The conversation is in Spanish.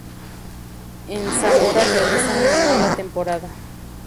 En Zamora realiza un mala temporada.